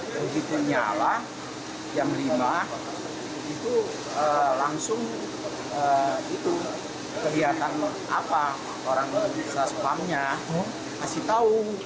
begitu nyala jam lima itu langsung kelihatan apa orang bisa spamnya kasih tau